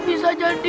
kita masih kembali